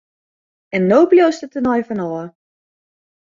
En no bliuwst der tenei fan ôf!